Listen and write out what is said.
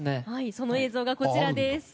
その映像がこちらです。